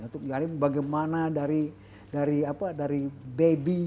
untuk nyari bagaimana dari baby